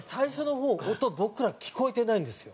ホント僕ら聞こえてないんですよ。